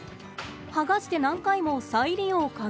剥がして何回も再利用可能。